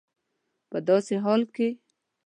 په داسي حال کي